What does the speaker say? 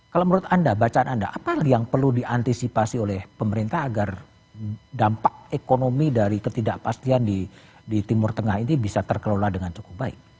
kalau menurut anda bacaan anda apa yang perlu diantisipasi oleh pemerintah agar dampak ekonomi dari ketidakpastian di timur tengah ini bisa terkelola dengan cukup baik